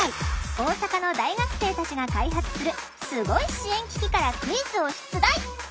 大阪の大学生たちが開発するスゴい支援機器からクイズを出題！